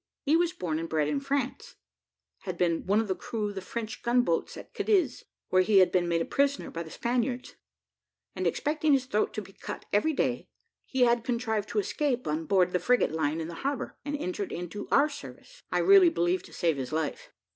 He was born and bred in France, had been one of the crew of the French gun boats, at Cadiz, where he had been made a prisoner by the Spaniards, and expecting his throat to be cut every day, had contrived to escape on board of the frigate lying in the harbour, and entered into our service, I really believe to save his life.